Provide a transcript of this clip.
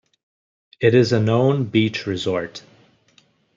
It is a known beach resort.